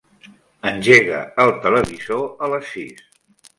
Engega el televisor a les sis.